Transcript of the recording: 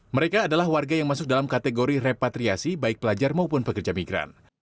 mereka adalah warga yang masuk dalam kategori repatriasi baik pelajar maupun pekerja migran